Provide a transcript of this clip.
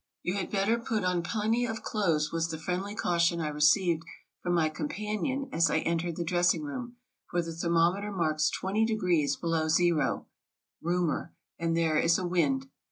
"You had better put on plenty of clothes," was the friendly caution I received from my companion as I entered the dressing room, " for the thermometer marks twenty de grees below zero (Reaumur), and there is a wind."